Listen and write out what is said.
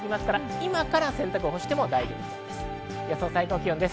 今から洗濯を干しても大丈夫です。